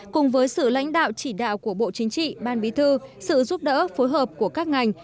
cùng với sự lãnh đạo chỉ đạo của bộ chính trị ban bí thư sự giúp đỡ phối hợp của các ngành